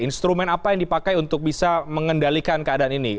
instrumen apa yang dipakai untuk bisa mengendalikan keadaan ini